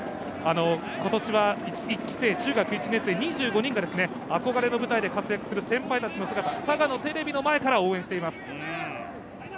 今年は１期生、中学１年生２５人が憧れの舞台で活躍する先輩たちの姿、テレビの前で応援しています。